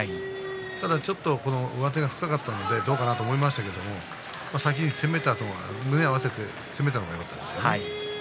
ただちょっと上手が深かったのでどうかと思いましたけれども先に攻めて、胸を合わせて攻めたのがよかったですね。